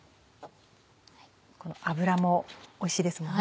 この脂もおいしいですもんね。